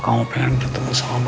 kamu bisa denger saya